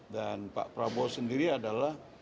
dan pak prabowo sendiri adalah